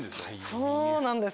そうなんです。